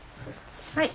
はい。